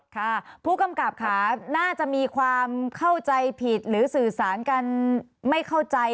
ค่ะผู้กำกับค่ะน่าจะมีความเข้าใจผิดหรือสื่อสารกันไม่เข้าใจ